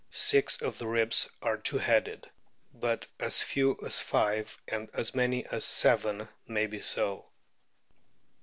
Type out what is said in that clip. Six of the ribs are two headed ; but as few as five, and as many as seven, may be so.